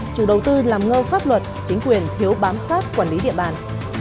chủ đầu tư làm ngơ pháp luật chính quyền thiếu bám sát quản lý địa bàn